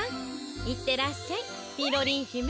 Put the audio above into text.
いってらっしゃいみろりんひめ。